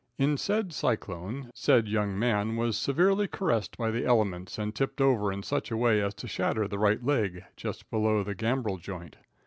In said cyclone, said young man was severely caressed by the elements, and tipped over in such a way as to shatter the right leg, just below the gambrel joint.